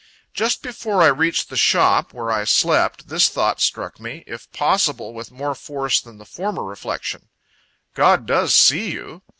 Just before I reached the shop, where I slept, this thought struck me, if possible with more force than the former reflection: "God does see you!"